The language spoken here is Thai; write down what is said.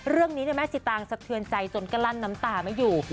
เรื่องนี้แม่สิตางสะเทือนใจจนก็ลั้นน้ำตาไม่อยู่